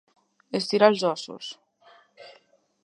Estirar els ossos.